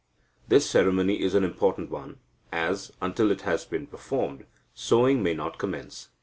This ceremony is an important one, as, until it has been performed, sowing may not commence.